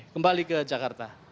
kembali ke jakarta